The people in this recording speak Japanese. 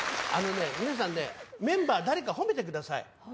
あのね皆さんねメンバー誰か褒めてください。